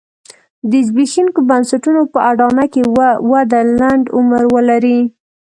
د زبېښونکو بنسټونو په اډانه کې وده لنډ عمر ولري.